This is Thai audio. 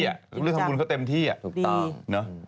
เรื่องทำบุญเขาเต็มที่ถูกต้องเนอะ